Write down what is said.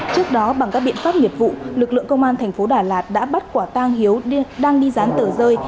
trước đó bằng các biện pháp nghiệp vụ lực lượng công an thành phố đà lạt đã bắt quả tang hiếu đang đi dán tờ rơi